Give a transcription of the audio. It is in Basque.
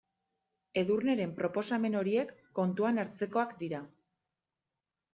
Edurneren proposamen horiek kontuan hartzekoak dira.